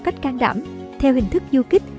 cách can đảm theo hình thức du kích